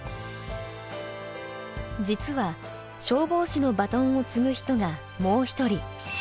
実は消防士のバトンを継ぐ人がもう一人。